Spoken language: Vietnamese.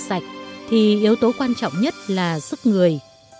sạch thì yếu tố quan trọng nhất là sức người